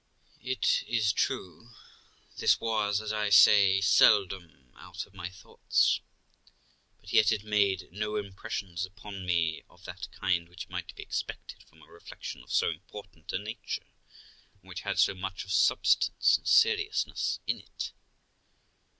' It is true this was, as I say, seldom out of my thoughts, but yet it made no impressions upon me of that kind which might be expected from a reflection of so important a nature, and which had so much of substance and seriousness in it.